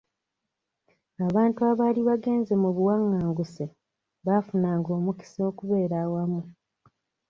Abantu abaali bagenze mu buwanganguse bafunanga omukisa okubeera awamu .